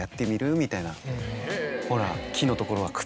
「ほら」。